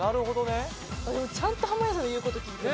でもちゃんと濱家さんの言う事聞いてる。